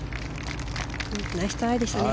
ナイストライでしたね。